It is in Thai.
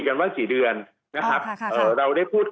ทางประกันสังคมก็จะสามารถเข้าไปช่วยจ่ายเงินสมทบให้๖๒